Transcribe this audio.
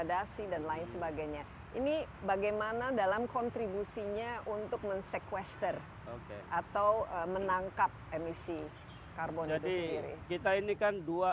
dalam kontribusinya untuk mensequester atau menangkap emisi karbon jadi kita ini kan dua